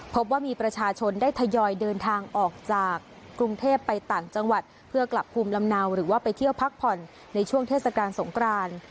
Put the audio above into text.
พบว่ามีประชาชนได้ทยอยเดินทางออกจากกรุงเทพไปต่างจังหวัดเพื่อกลับภูมิลำเนาหรือว่าไปเที่ยวพักผ่อนในช่วงเทศกาลสงคราน